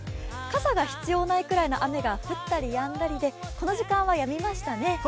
傘が必要ないくらいの雨が降ったりやんだりでこの時間はやみましたね。